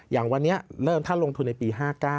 อย่างวันนี้เริ่มถ้าลงทุนในปี๕๙